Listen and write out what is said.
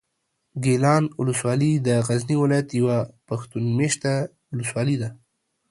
ګیلان اولسوالي د غزني ولایت یوه پښتون مېشته اولسوالي ده.